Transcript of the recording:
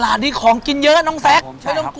ตลาดนี่ของกินเยอะน้องแซ็ค